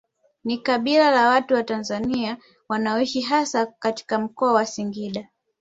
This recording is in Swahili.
Ni kabila la watu wa Tanzania wanaoishi hasa katika Mkoa wa Singida